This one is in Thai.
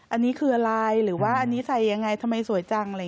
อันนี้คืออะไรหรือว่าอันนี้ใส่ยังไงทำไมสวยจัง